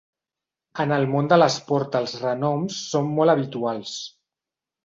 En el món de l'esport els renoms són molt habituals.